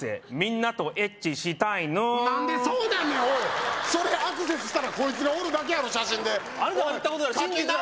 なんでそうなんねんおいそれアクセスしたらこいつがおるだけやろ写真であなたが言ったことだろ真実だろ